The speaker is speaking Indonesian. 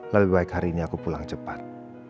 lebih baik hari ini aku pulang cepat